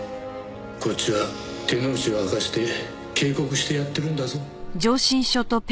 こっちは手の内を明かして警告してやってるんだぞ。